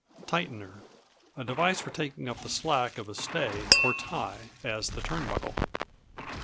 Tightener A device for taking up the slack of a stay, or tie; as the turnbuckle.